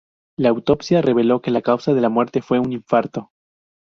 La autopsia reveló que la causa de la muerte fue un infarto.